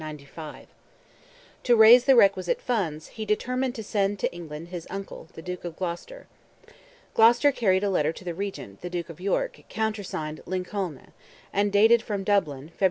To raise the requisite funds, he determined to send to England his uncle, the Duke of Gloucester. Gloucester carried a letter to the regent, the Duke of York, countersigned "Lincolne," and dated from Dublin, "Feb.